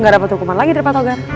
gak dapet hukuman lagi dari patogar